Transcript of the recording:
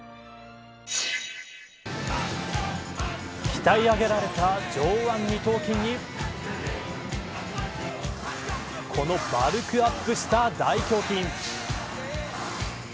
鍛え上げられた上腕二頭筋にこの、バルクアップした大胸筋。